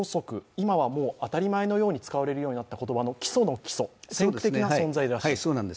今は当たり前のように使われるようになった言葉の基礎の基礎、先駆的な存在だと？